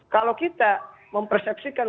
kalau kita mempersepsikan